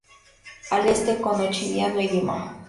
Al este con Ochandiano y Dima.